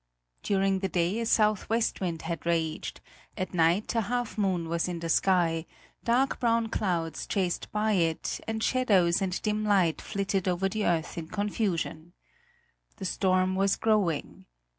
During the day a southwest wind had raged; at night a half moon was in the sky, dark brown clouds chased by it, and shadows and dim light flitted over the earth in confusion. The storm was growing.